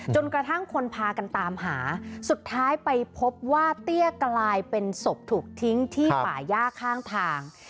จนกระทั่งคนพากันตามหาสุดท้ายไปพบว่าเตี้ยกลายเป็นศพถูกทิ้งที่ป่าย่าข้างทาง